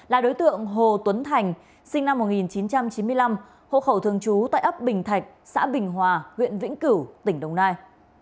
là đối tượng hồ tuấn thành sinh năm một nghìn chín trăm chín mươi năm hộ khẩu thường trú tại ấp bình thạch xã bình hòa huyện vĩnh cửu tỉnh đồng nai